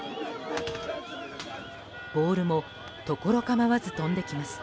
ボールもところかまわず飛んできます。